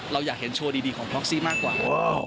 เราอยากเห็นโชว์ดีของพ็อกซี่มากกว่า